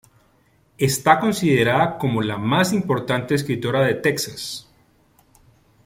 Está considerada como la más importante escritora de Texas.